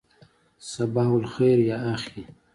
صباح الخیر یا اخی.